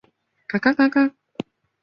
勒科人口变化图示